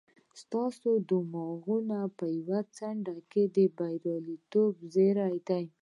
ستاسې د ماغزو په يوه څنډه کې د برياليتوبونو زړي دي.